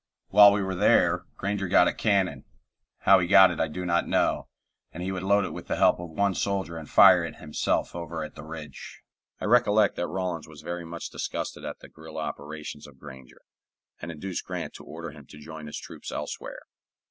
While we were there Granger got a cannon how he got it I do not know and he would load it with the help of one soldier and fire it himself over at the ridge. I recollect that Rawlins was very much disgusted at the guerilla operations of Granger, and induced Grant to order him to join his troops elsewhere.